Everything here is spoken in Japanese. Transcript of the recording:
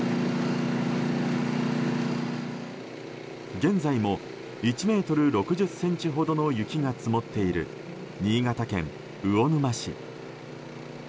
現在も１ｍ６０ｃｍほどの雪が積もっている新潟県魚沼市。